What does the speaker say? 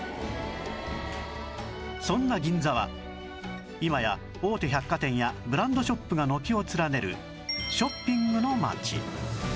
そんな銀座は今や大手百貨店やブランドショップが軒を連ねるショッピングの街